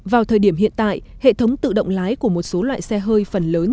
vào thời điểm hiện tại hệ thống tự động lái của một số loại xe hơi phần lớn